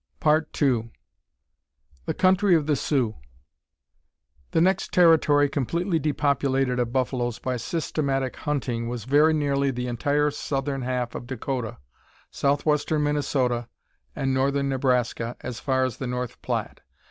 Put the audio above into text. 2. The country of the Sioux. The next territory completely depopulated of buffaloes by systematic hunting was very nearly the entire southern half of Dakota, southwestern Minnesota, and northern Nebraska as far as the North Platte.